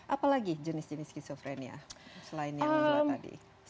apa lagi jenis jenis schizophrenia selain yang dijelaskan tadi